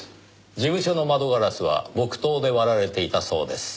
事務所の窓ガラスは木刀で割られていたそうです。